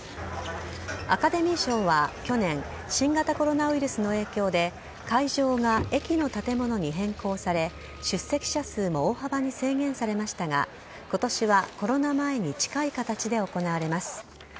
アカデミー賞は去年新型コロナウイルスの影響で会場が駅の建物に変更され出席者数も大幅に制限されましたが今年はコロナ前に近い形で行われます。